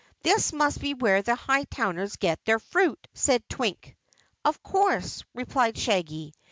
"This must be where the Hightowners get their fruit," said Twink. "Of course," replied Shaggy.